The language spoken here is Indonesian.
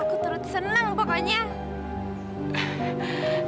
akhirnya terbayar dengan perusahaan yang baik